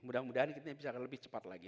mudah mudahan ini bisa lebih cepat lagi